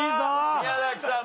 宮崎さん